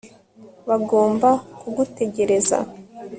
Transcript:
bagomba kugutegereza